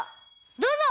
どうぞ！